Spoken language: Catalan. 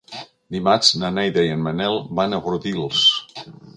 Dimarts na Neida i en Manel van a Bordils.